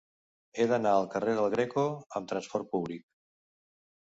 He d'anar al carrer del Greco amb trasport públic.